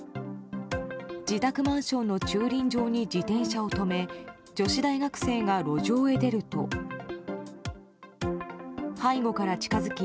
自宅マンションの駐輪場に自転車を止め、女子大学生が路上へ出ると、背後から近づき